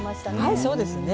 はいそうですね。